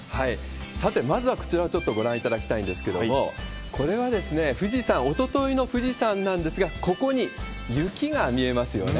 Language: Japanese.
さて、まずはこちらをちょっとご覧いただきたいんですけれども、これはですね、富士山、おとといの富士山なんですが、ここに雪が見えますよね。